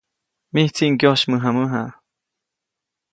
Mijtsi ŋyosymäjamäja.